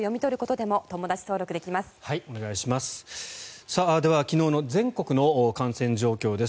では、昨日の全国の感染状況です。